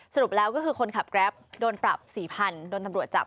สรุปแล้วก็คือคนขับแกรปโดนปรับ๔๐๐๐โดนตำรวจจับ